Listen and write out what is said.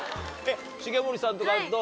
重盛さんとかどう？